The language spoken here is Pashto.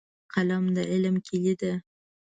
قلم د علم کیلي ده.